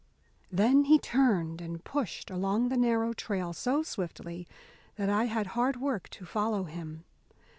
Then he turned and pushed along the narrow trail so swiftly that I had hard work to follow him.